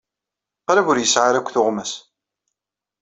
Qrib ur yesɛi ara akk tuɣmas.